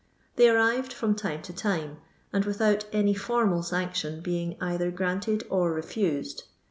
They arrived from time to time, and with out any formal sanction being either granted or refused.